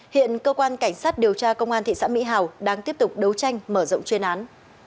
hiện cơ quan cảnh sát điều tra công an thị xã mỹ hào đang tiếp tục đấu tranh mở rộng chuyên án